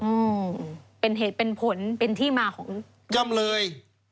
อืมเป็นเหตุเป็นผลเป็นที่มาของจำเลย